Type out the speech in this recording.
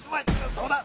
そうだ。